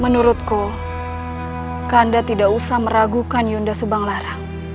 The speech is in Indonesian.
menurutku kanda tidak usah meragukan yunda subanglarang